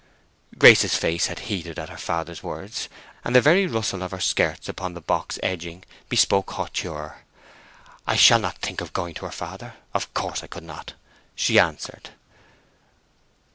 Grace's face had heated at her father's words, and the very rustle of her skirts upon the box edging bespoke hauteur. "I shall not think of going to her, father—of course I could not!" she answered.